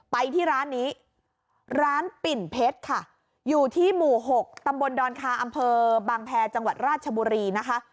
ไปที่ร้านนี้ร้านปิ่นเพชรค่ะอยู่ที่หมู่๖ตำบลดอนคาอำเภอบางแพรจังหวัดราชบุรีนะคะ